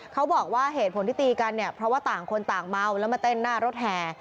เขาบอกว่าเหตุผลที่ตีกันเนี่ยเพราะว่าต่างคนต่างเมาแล้วมาเต้นหน้ารถแห่